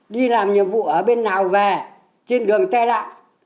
đi làm nhiệm vụ ở bên nào về trên đường tre lạng